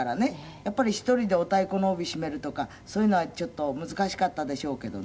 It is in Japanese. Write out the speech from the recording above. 「やっぱり１人でお太鼓の帯締めるとかそういうのはちょっと難しかったでしょうけどね」